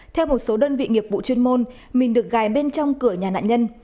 theo một số đơn vị nghiệp vụ chuyên môn mình được gài bên trong cửa nhà nạn nhân